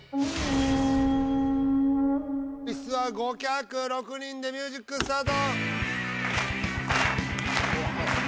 イスは５脚６人でミュージックスタート。